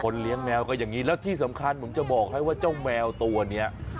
เลี้ยงแมวก็อย่างนี้แล้วที่สำคัญผมจะบอกให้ว่าเจ้าแมวตัวนี้